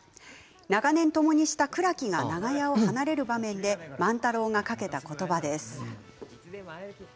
長年、ともにした倉木が長屋を離れる場面で万太郎がかけた言葉です。